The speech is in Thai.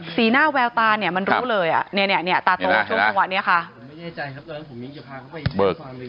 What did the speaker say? สีหน้าแววตามันรู้เลยอ่ะนี่ตาโตโชว์หัวหัวนี้ค่ะ